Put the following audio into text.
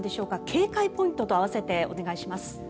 警戒ポイントと併せてお願いします。